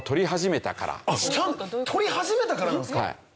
とり始めたからなんですか？